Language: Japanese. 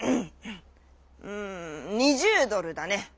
「うん２０ドルだね。